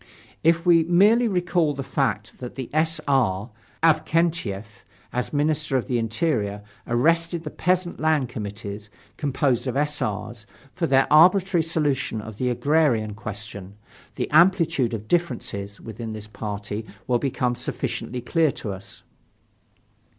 If we merely recall the fact that the S. R., Avksentyef, as Minister of the Interior, arrested the Peasant Land Committees, composed of S. R.'s, for their arbitrary solution of the agrarian question, the amplitude of "differences" within this party will become sufficiently clear to us.